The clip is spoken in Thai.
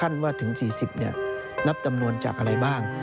นับจำนวนจากอะไรบ้าง